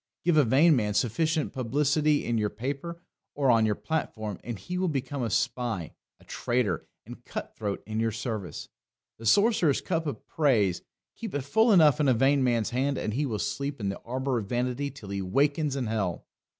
Give a vain man sufficient publicity in your paper or on your platform and he will become a spy, a traitor, and cut throat in your service. The sorcerer's cup of praise keep it full enough in a vain man's hand, and he will sleep in the arbour of vanity till he wakens in hell.